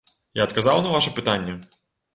Я адказаў на ваша пытанне?